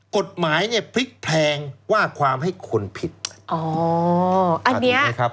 กฎหมายเนี่ยพลิกแพลงว่าความให้คนผิดอ๋ออันเนี้ยนะครับ